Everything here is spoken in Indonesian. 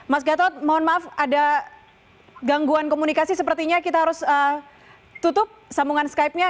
mas gatot mohon maaf ada gangguan komunikasi sepertinya kita harus tutup sambungan skypenya